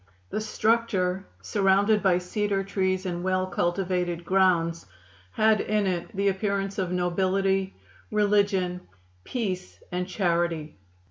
The structure, surrounded by cedar trees and well cultivated grounds, had in it the appearance of nobility, religion, peace and charity.